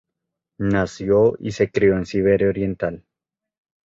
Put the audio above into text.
Nació y se crio en Siberia oriental.